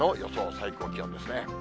最高気温ですね。